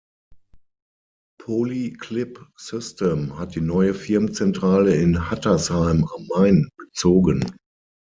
Poly-clip System hat die neue Firmenzentrale in Hattersheim am Main bezogen.